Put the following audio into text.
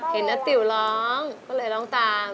เห็นนะติ๋วร้องก็เลยร้องตาม